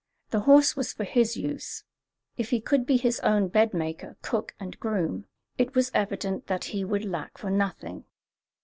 The horse was for his use. If he could be his own bed maker, cook, and groom, it was evident that he would lack for nothing.